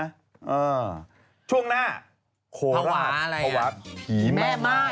อ่าช่วงหน้าโคราถเพราะวะหีแม่ไม้